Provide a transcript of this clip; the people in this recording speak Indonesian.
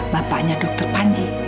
bapaknya dokter panji